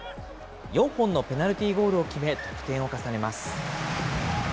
４本のペナルティーゴールを決め、得点を重ねます。